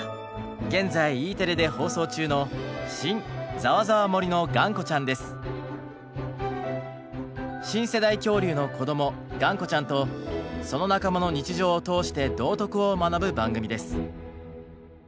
現在Ｅテレで放送中の新世代恐竜のこどもがんこちゃんとその仲間の日常を通して道徳を学ぶ番組です。